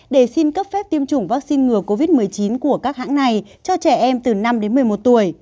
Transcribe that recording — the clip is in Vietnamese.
để xin cấp phép tiêm chủng vaccine ngừa covid một mươi chín của các hãng này cho trẻ em từ năm đến một mươi một tuổi